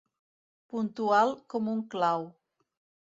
Puntual com un clau.